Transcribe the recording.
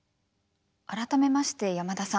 改めまして山田さん